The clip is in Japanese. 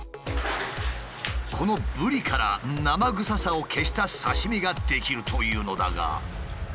このブリから生臭さを消した刺身ができるというのだが。